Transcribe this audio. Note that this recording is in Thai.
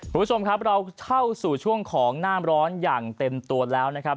คุณผู้ชมครับเราเข้าสู่ช่วงของน้ำร้อนอย่างเต็มตัวแล้วนะครับ